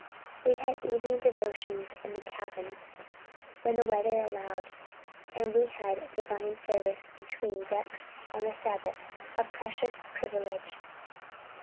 We had evening devotions in the cabin, ... when the weather allowed we had divine service between decks on the Sabbath. A precious privilege!